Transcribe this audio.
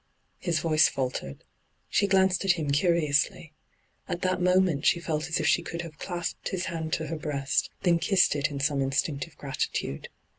,..' His voice faltered. She glanced at him curiously. At that moment she felt as if she could have clasped his hand to her breast, then kissed it in some instinctive gratitude.